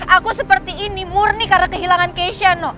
aku seperti ini murni karena kehilangan keisha no